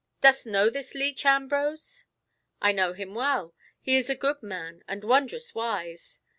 "Dost know this leech, Ambrose?" "I know him well. He is a good old man, and wondrous wise.